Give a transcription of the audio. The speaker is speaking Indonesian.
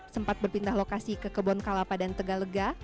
sempat berpindah lokasi ke kebon kalapa dan tegalega